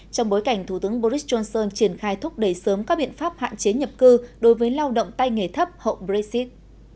trong bối cảnh thủ tướng boris johnson triển khai thúc đẩy sớm các biện pháp hạn chế nhập cư đối với lao động tay nghề thấp hậu brexit